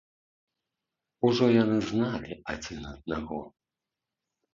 Ужо яны зналі адзін аднаго.